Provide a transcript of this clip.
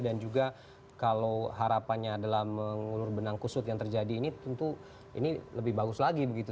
dan juga kalau harapannya adalah mengulur benang kusut yang terjadi ini tentu ini lebih bagus lagi begitu